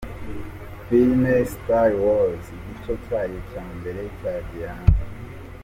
Filime Star Wars igice cyayo cya mbere cyagiye hanze.